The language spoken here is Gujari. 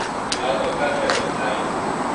جنازو کرکے دفنائی